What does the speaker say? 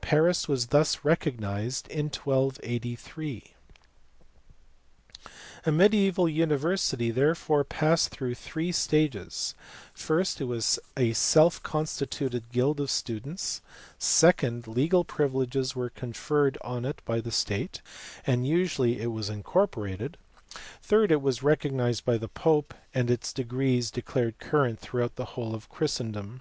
Paris was thus recognized in 1283. A mediaeval university therefore passed through three stages : first, it was a self constituted guild of students ; second, legal privileges were conferred on it by the state, and usually it was incorporated; third, it was recognized by the pope and its degrees declared current throughout the whole of Christendom.